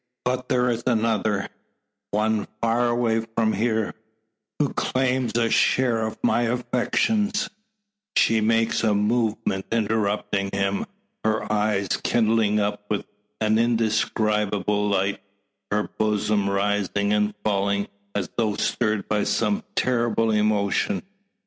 But there's another one far away from here, who claims a share of my affections " She makes a movement interrupting him, her eyes kindling up with an indescribable light, her bosom rising and falling as though stirred by some terrible emotion.